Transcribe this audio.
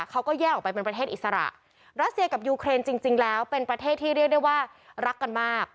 เขาก็แยกออกไปเป็นประเทศอิสระรัสเซียกับยูเครนจริงแล้วเป็นประเทศที่เรียกได้ว่ารักกันมาก